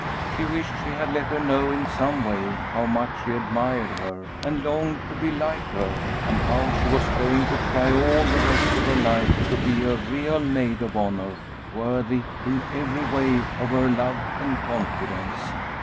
She wished she had let her know in some way how much she admired her, and longed to be like her, and how she was going to try all the rest of her life to be a real maid of honor, worthy in every way of her love and confidence.